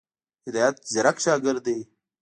هدایت ځيرک شاګرد دی.